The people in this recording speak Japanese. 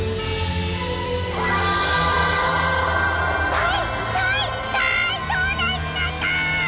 だいだいだいとうだいになった！